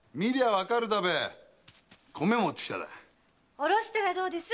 降ろしたらどうです？